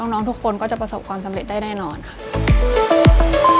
น้องทุกคนก็จะประสบความสำเร็จได้แน่นอนค่ะ